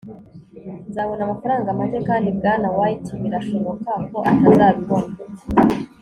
nzabona amafaranga make kandi bwana white birashoboka ko atazabibona